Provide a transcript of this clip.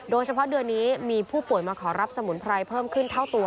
โดยเฉพาะเดือนนี้มีผู้ป่วยมาขอรับสมุนไพรเพิ่มขึ้นเท่าตัว